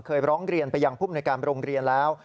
ร้องเรียนไปยังภูมิในการโรงเรียนแล้ว